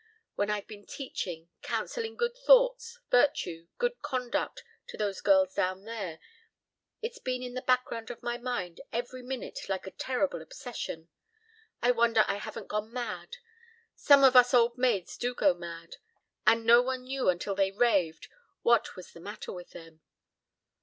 When I've been teaching, counselling good thoughts, virtue, good conduct, to those girls down there, it's been in the background of my mind every minute like a terrible obsession. I wonder I haven't gone mad. Some of us old maids do go mad. And no one knew until they raved what was the matter with them.